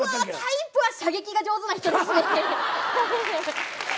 タイプは射撃が上手な人ですね。